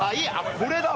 これだわ！